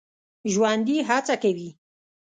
ژوندي هڅه کوي